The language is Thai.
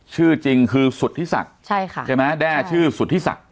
ชื่อจริงคือสุธิศักดิ์ใช่ค่ะใช่ไหมแด้ชื่อสุธิศักดิ